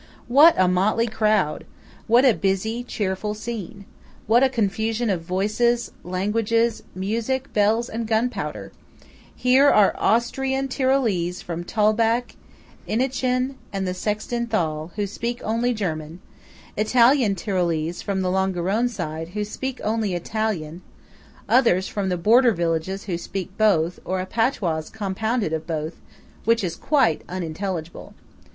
What a motley crowd! What a busy, cheerful scene! What a confusion of voices, languages, music, bells and gunpowder! Here are Austrian Tyrolese from Toblach, Innichen, and the Sexten Thal, who speak only German; Italian Tyrolese from the Longarone side, who speak only Italian; others from the border villages who speak both, or a patois compounded of both, which is quite unintelligible.